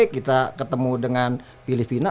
kita ketemu dengan filipina